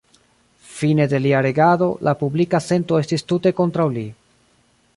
Fine de lia regado, la publika sento estis tute kontraŭ li.